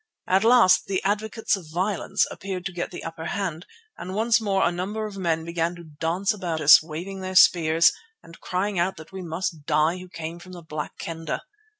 At last the advocates of violence appeared to get the upper hand, and once more a number of the men began to dance about us, waving their spears and crying out that we must die who came from the Black Kendah.